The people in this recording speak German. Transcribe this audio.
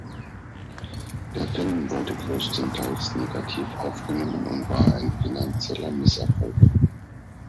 Der Film wurde größtenteils negativ aufgenommen und war ein finanzieller Misserfolg.